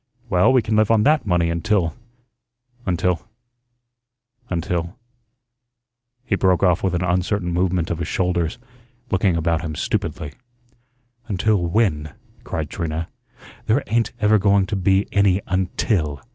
"Well, we can live on THAT money until until until " he broke off with an uncertain movement of his shoulders, looking about him stupidly. "Until WHEN?" cried Trina. "There ain't ever going to be any 'until.'